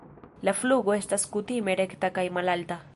La flugo estas kutime rekta kaj malalta.